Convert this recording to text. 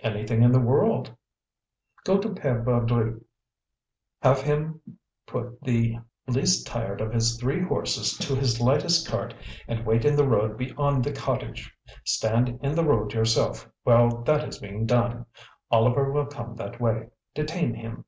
"Anything in the world!" "Go to Pere Baudry's; have him put the least tired of his three horses to his lightest cart and wait in the road beyond the cottage. Stand in the road yourself while that is being done. Oliver will come that way; detain him.